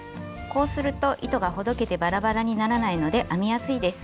こうすると糸がほどけてバラバラにならないので編みやすいです。